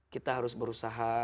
kita harus berusaha